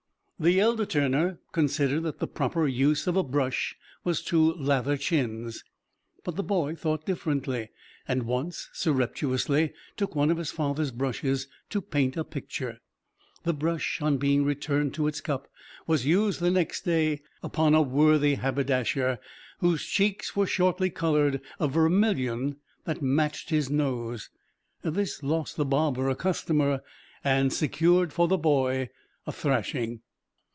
The elder Turner considered that the proper use of a brush was to lather chins. But the boy thought differently, and once surreptitiously took one of his father's brushes to paint a picture; the brush on being returned to its cup was used the next day upon a worthy haberdasher, whose cheeks were shortly colored a vermilion that matched his nose. This lost the barber a customer and secured the boy a thrashing.